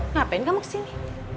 ngapain kamu kesini